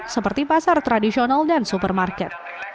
seperti pasar tradisional dan supermarket